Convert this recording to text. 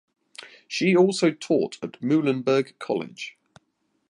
She also taught at Muhlenberg College.